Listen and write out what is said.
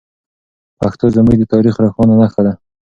پښتو زموږ د تاریخ روښانه نښه ده.